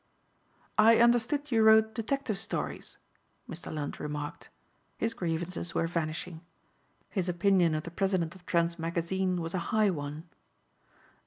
"I understood you wrote detective stories," Mr. Lund remarked. His grievances were vanishing. His opinion of the president of Trent's magazine was a high one.